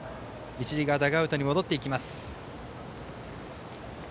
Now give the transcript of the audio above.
一塁側、ダグアウトに戻っていきます。